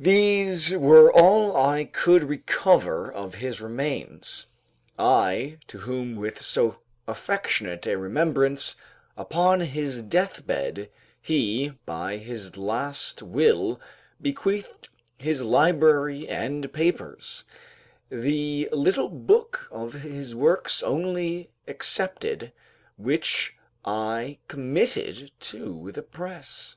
These were all I could recover of his remains, I to whom with so affectionate a remembrance, upon his death bed, he by his last will bequeathed his library and papers, the little book of his works only excepted, which I committed to the press.